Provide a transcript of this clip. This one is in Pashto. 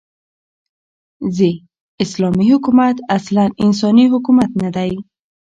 ز : اسلامې حكومت اصلاً انساني حكومت نه دى